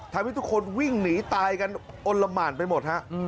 ทำให้ทุกคนวิ่งหนีตายกันอ้นละหมานไปหมดฮะ